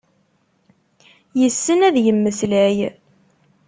Yessen ad yemmeslay.